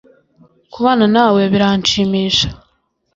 Kubana nawe biranshimisha